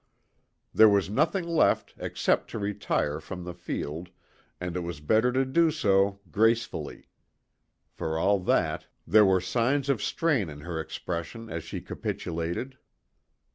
There was nothing left except to retire from the field, and it was better to do so gracefully. For all that, there were signs of strain in her expression as she capitulated.